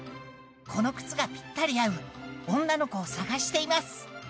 この靴がピッタリ合う女の子を探しています。